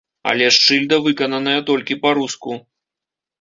Але ж шыльда выкананая толькі па-руску.